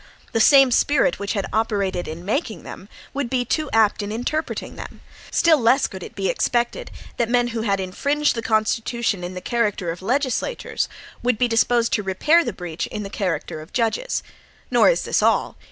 The same spirit which had operated in making them, would be too apt in interpreting them; still less could it be expected that men who had infringed the Constitution in the character of legislators, would be disposed to repair the breach in the character of judges. Nor is this all.